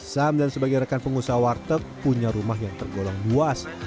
sam dan sebagai rekan pengusaha warteg punya rumah yang tergolong luas